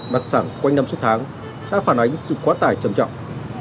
đặc sản quanh năm suốt tháng đã phản ánh sự quá tải trầm trọng